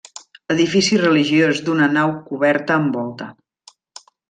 Edifici religiós d'una nau coberta amb volta.